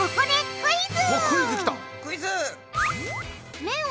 クイズ！